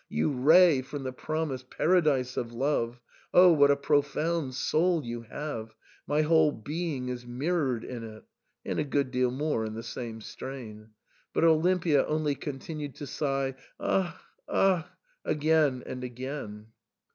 You ray from the promised paradise of love ! Oh ! what a profound soul you have ! my whole being is mirrored in it !" and a good deal more in the same strain. But Olimpia only continued to sigh " Ach ! Ach !" again and again.